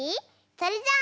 それじゃ。